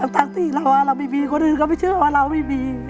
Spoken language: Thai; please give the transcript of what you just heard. ทั้งที่เราไม่มีคนอื่นเขาไม่เชื่อว่าเราไม่มี